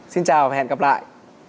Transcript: xin chào và hẹn gặp lại